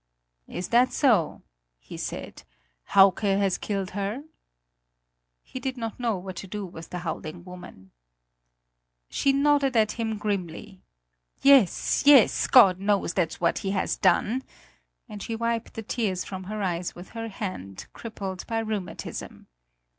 "Is that so," he said; "Hauke has killed her?" He did not know what to do with the howling woman. She nodded at him grimly. "Yes, yes, God knows, that's what he has done," and she wiped the tears from her eyes with her hand, crippled by rheumatism.